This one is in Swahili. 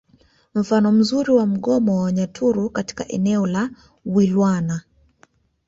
Mfano mzuri wa mgomo wa Wanyaturu katika eneo la Wilwana